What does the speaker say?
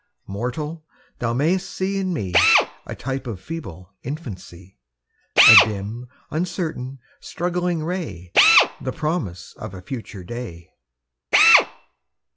Mortal! thou mayst see in me A type of feeble infancy, A dim, uncertain, struggling ray, The promise of a future day!